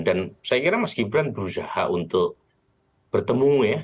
saya kira mas gibran berusaha untuk bertemu ya